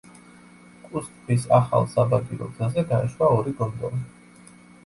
კუს ტბის ახალ საბაგირო გზაზე გაეშვა ორი გონდოლა.